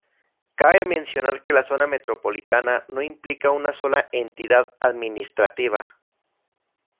Cabe mencionar que la zona metropolitana no implica una sola entidad administrativa.